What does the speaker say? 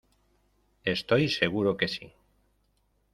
Estoy seguro que sí